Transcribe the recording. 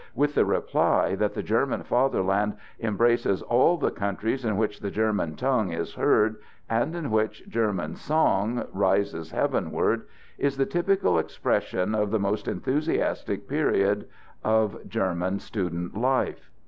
with the reply, that the German fatherland embraces all the countries in which the German tongue is heard and in which German song rises heavenward, is the typical expression of that most enthusiastic period of German student life.